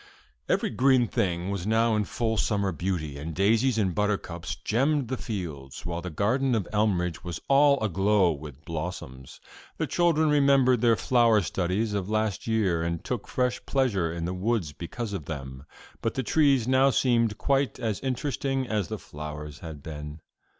Every green thing was now in full summer beauty, and daisies and buttercups gemmed the fields, while the garden at Elmridge was all aglow with blossoms, The children remembered their flower studies of last year, and took fresh pleasure in the woods because of them; but the trees now seemed quite as interesting as the flowers had been.